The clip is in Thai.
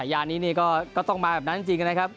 แล้วในขณะนี้น้อยจะต้องมาแบบนั้นจริงครับ